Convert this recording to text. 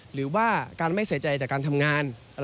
หรือว่าการไม่เสียใจจากการทำงาน